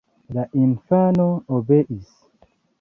La infano obeis.